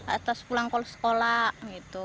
atau pulang kalau sekolah gitu